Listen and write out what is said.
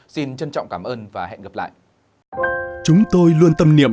xin trân trọng cảm ơn và hẹn gặp lại